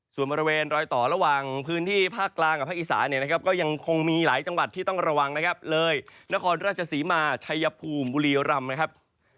ส่วนบริเวณรอยต่อระหว่างพื้นที่ภาคกลางกับภาคอีสาเนี่ยนะครับก็ยังคงมีหลายจังหวัดที่ต้องระวังนะครับเลยนครราชศรีมาชัยภูมิบุรีรำนะครับ